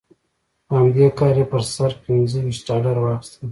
په همدې کار یې پر سر پنځه ویشت ډالره واخیستل.